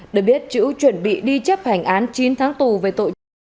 để biết trữ chuẩn bị đi chấp hành án chín tháng tù về tội